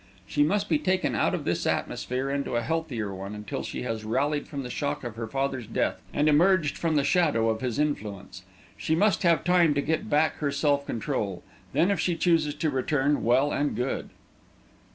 She must be taken out of this atmosphere into a healthier one, until she has rallied from the shock of her father's death, and emerged from the shadow of his influence. She must have time to get back her self control. Then, if she chooses to return, well and good."